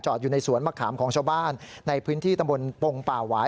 อยู่ในสวนมะขามของชาวบ้านในพื้นที่ตำบลปงป่าหวาย